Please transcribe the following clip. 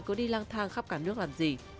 cứ đi lang thang khắp cả nước làm gì